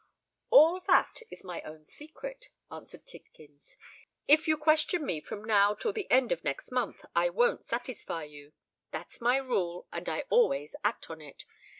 "All that is my own secret," answered Tidkins. "If you question me from now till the end of next month, I won't satisfy you. That's my rule—and I always act on it.